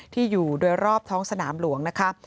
อยู่โดยรอบท้องสนามหลวงนะคะ